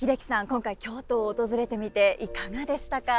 今回京都を訪れてみていかがでしたか？